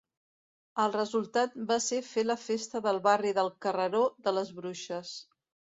El resultat va ser fer la festa del barri del Carreró de les Bruixes.